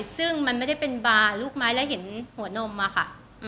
ซึ่งมันไม่ได้เป็นบาร์ลูกไม้แล้วเห็นหัวนมอะค่ะ